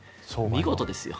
見事ですよ。